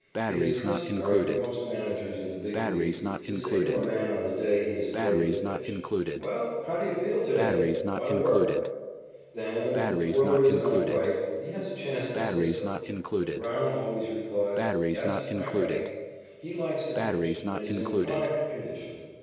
It is customary for most managers in the Big Leagues to say to a man on the day he is slated to pitch: "Well, how do you feel to day? Want to work?" Then if the twirler is not right, he has a chance to say so. But Brown always replies: "Yes, I'm ready." He likes to pitch and is in chronic condition.